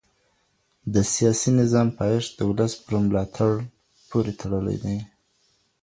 د سياسي نظام پايښت د ولس پر ملاتړ پوري تړلی دی.